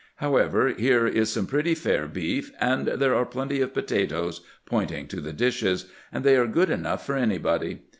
However, here is some pretty fair beef, and there are plenty of potatoes," pointing to the dishes; "and they are good enough for anybody.